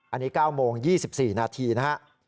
อันนี้๙โมง๒๔นาทีนะฮะ